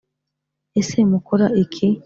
ese mukora iki